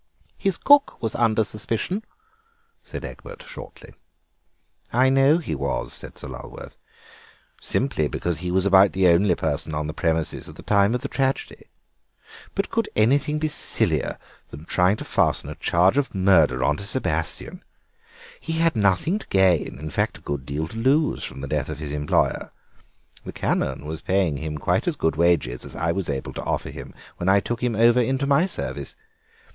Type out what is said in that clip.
"His cook was under suspicion," said Egbert shortly. "I know he was," said Sir Lulworth, "simply because he was about the only person on the premises at the time of the tragedy. But could anything be sillier than trying to fasten a charge of murder on to Sebastien? He had nothing to gain, in fact, a good deal to lose, from the death of his employer. The Canon was paying him quite as good wages as I was able to offer him when I took him over into my service.